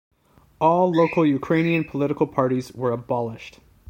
All local Ukrainian political parties were abolished.